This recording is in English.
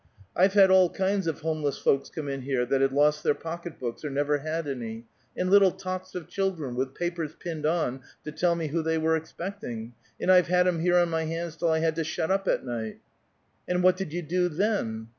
I've had all kinds of homeless folks come in here, that had lost their pocket books, or never had any, and little tots of children, with papers pinned on to tell me who they were expecting, and I've had 'em here on my hands till I had to shut up at night." "And what did you do then?"